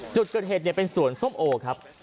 จุดเกิดเหตุเป็นสวนส้มโอครับ